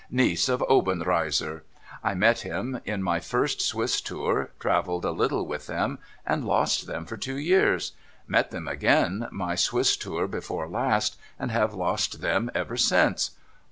' Niece of Obenreizer. (I met them in my first Swiss tour, travelled a Utile with them, and lost them for two years ; met them again, my Swiss tour before last, and have lost them ever since.)